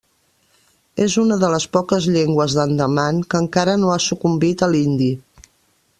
És una de les poques llengües d'Andaman que encara no ha sucumbit a l'hindi.